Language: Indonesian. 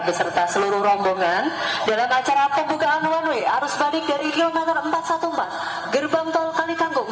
beserta seluruh rombongan dalam acara pembukaan one way arus balik dari kilometer empat ratus empat belas gerbang tol kali kangkung